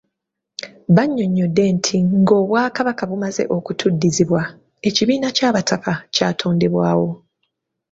Banyonyodde nti ng'Obwakabaka bumaze okutuddizibwa, ekibiina ky'abataka kyatondebwawo.